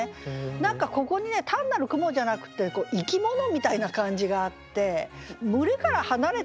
何かここにね単なる雲じゃなくて生き物みたいな感じがあって群れから離れた鰯かな？